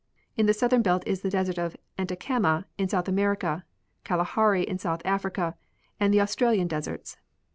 In the southern belt is the desert of Atacama in South America, Kalahari in South Africa and the Australian deserts.